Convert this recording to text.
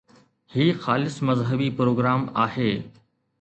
هي خالص مذهبي پروگرام آهي